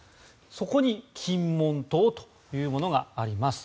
そこに金門島というものがあります。